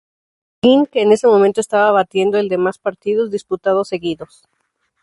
Green, que en ese momento estaba batiendo el de más partidos disputados seguidos.